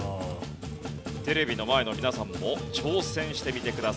テレビの前の皆さんも挑戦してみてください。